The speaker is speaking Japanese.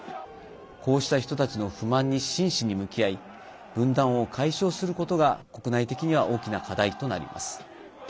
こうした人たちの不満に真摯に向き合い分断を解消することが国内的には大きな課題となります。